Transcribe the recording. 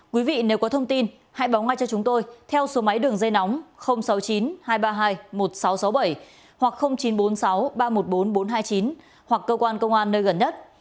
quý vị nếu có thông tin hãy báo ngay cho chúng tôi theo số máy đường dây nóng sáu mươi chín hai trăm ba mươi hai một nghìn sáu trăm sáu mươi bảy hoặc chín trăm bốn mươi sáu ba trăm một mươi bốn bốn trăm hai mươi chín hoặc cơ quan công an nơi gần nhất